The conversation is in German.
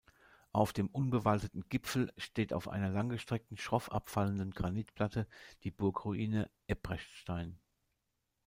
Auf dem unbewaldeten Gipfel steht auf einer langgestreckten, schroff abfallenden Granitplatte die Burgruine Epprechtstein.